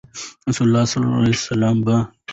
رسول الله صلی الله عليه وسلم به